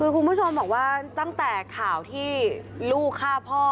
คุณผู้ชมบอกว่าตั้งแต่ข่าวที่ลูกฆ่าพ่อ